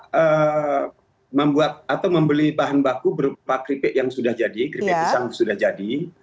kita membuat atau membeli bahan baku berupa keripik yang sudah jadi keripik pisang sudah jadi